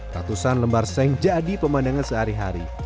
ratusan lembar seng jadi pemandangan sehari hari